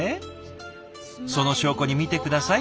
その証拠に見て下さい。